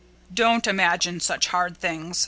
"Don't imagine such hard things.